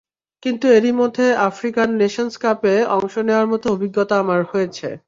কিন্তু এরই মধ্যে আফ্রিকান নেশনস কাপে অংশ নেওয়ার মতো অভিজ্ঞতা আমার হয়েছে।